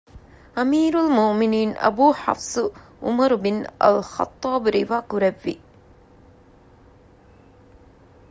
އަމީރުލް މުއުމިނީން އަބޫ ޙަފްޞު ޢުމަރު ބިން އަލްޚައްޠާބު ރިވާ ކުރެއްވި